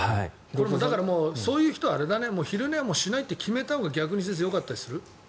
そういう人は昼寝はしないと決めたほうが逆に先生、よかったりする？